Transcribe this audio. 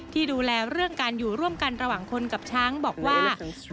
ที่ดูแลเรื่องการอยู่ร่วมกันระหว่างคนกับช้างบอกว่า